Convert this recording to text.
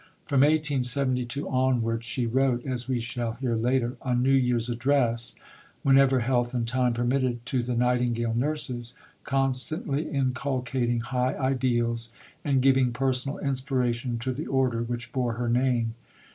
From 1872 onwards she wrote, as we shall hear later, a New Year's Address, whenever health and time permitted, to the Nightingale Nurses, constantly inculcating high ideals, and giving personal inspiration to the order which bore her name.